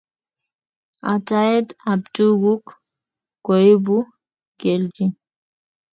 Ataet ab tuguk koibu keljin